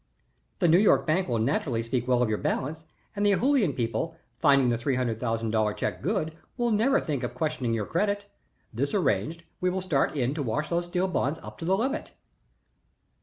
The New York bank will naturally speak well of your balance, and the Ohoolihan people, finding the three hundred thousand dollar check good, will never think of questioning your credit. This arranged, we will start in to wash those steel bonds up to the limit."